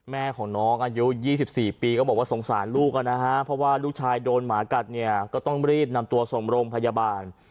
แม่ของน้องอายุ๒๔ปีก็บอกว่าสงสารลูกนะฮะเพราะว่าลูกชายโดนหมากัดเนี่ยก็ต้องรีบนำตัวส่งโรงพยาบาล